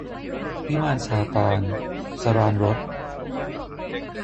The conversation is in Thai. วิมานซาตาน - สราญรส